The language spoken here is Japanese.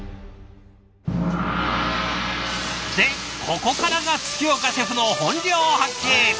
でここからが月岡シェフの本領発揮。